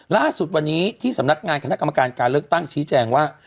ล่าสุดวันนี้ที่สำนักงานคณะกรรมการการเลือกตั้งชี้แจงว่า